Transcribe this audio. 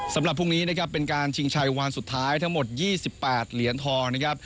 สำหรับพรุ่งนี้เป็นการชิงชัยวันสุดท้ายทั้งหมด๒๘เหลียนทอง